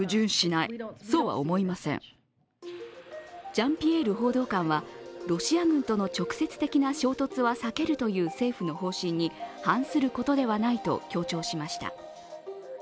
ジャンピエール報道官は、ロシア軍との直接的な衝突は避けるという政府の方針に反することではないと強調しました。